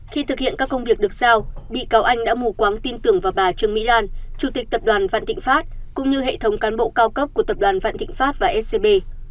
khi thực hiện các công việc được sao bị cáo anh đã mù quáng tin tưởng vào bà trương mỹ lan chủ tịch tập đoàn vạn thịnh pháp cũng như hệ thống cán bộ cao cấp của tập đoàn vạn thịnh pháp và scb